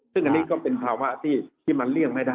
ซึ่งอันนี้ก็เป็นภาวะที่มันเลี่ยงไม่ได้